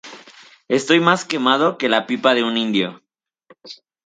Estoy más quemado que la pipa de un indio